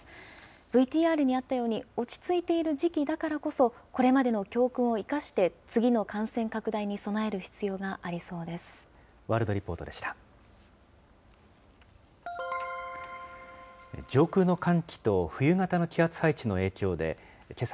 ＶＴＲにあったように、落ち着いている時期だからこそ、これまでの教訓を生かして、次の感染拡大に備える必要がありそうです。